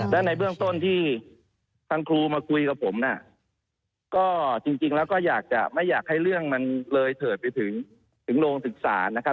และในเบื้องต้นที่ทางครูมาคุยกับผมน่ะก็จริงแล้วก็อยากจะไม่อยากให้เรื่องมันเลยเถิดไปถึงโรงศึกษานะครับ